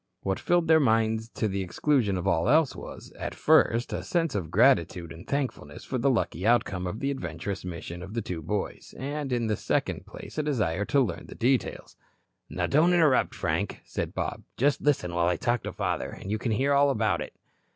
What filled their minds to the exclusion of all else was, at first, a sense of gratitude and thankfulness for the lucky outcome of the adventurous mission of the two boys, and, in the second place, a desire to learn the details. "Now don't interrupt, Frank," said Bob. "Just listen while I talk to father, and you can hear all about it."